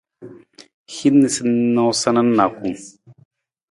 Hin noosanoosa na nijakung.